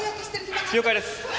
了解です！